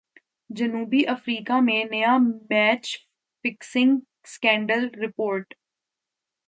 جنوبی افریقہ میں نیا میچ فکسنگ سکینڈل رپورٹ